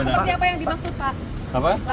seperti apa yang dimaksud pak